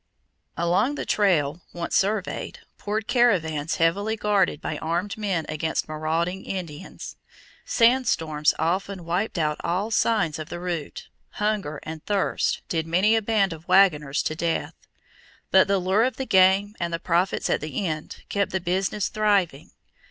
Along the trail, once surveyed, poured caravans heavily guarded by armed men against marauding Indians. Sand storms often wiped out all signs of the route; hunger and thirst did many a band of wagoners to death; but the lure of the game and the profits at the end kept the business thriving.